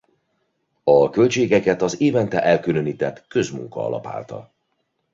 A költségeket az évente elkülönített közmunkaalap állta.